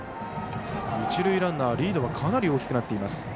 一塁ランナー、リードがかなり大きくなっています。